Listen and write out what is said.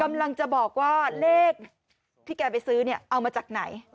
กำลังจะบอกว่าเลขที่แกไปซื้อเนี่ยเอามาจากไหน